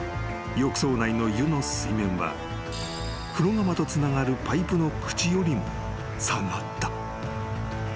［浴槽内の湯の水面は風呂釜とつながるパイプの口よりも下がった］